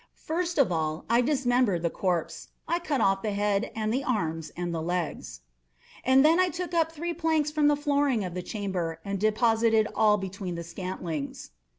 First of all I dismembered the corpse. I cut off the head and the arms and the legs. I then took up three planks from the flooring of the chamber, and deposited all between the scantlings.